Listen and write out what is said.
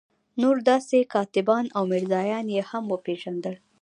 نور داسې کاتبان او میرزایان یې هم پېژندل.